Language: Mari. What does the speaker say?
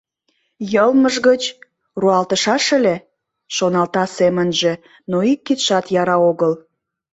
«Йылмыж гыч... руалтышаш ыле...» — шоналта семынже, но ик кидшат яра огыл.